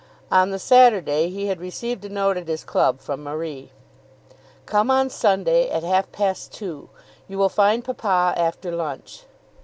On the Saturday he had received a note at his club from Marie. "Come on Sunday at half past two. You will find papa after lunch."